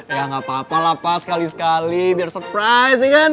ya gak apa apa lah pas sekali sekali biar surprise sih kan